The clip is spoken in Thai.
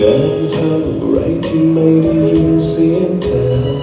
แล้วทำอะไรที่ไม่ได้ยินเสียงเธอ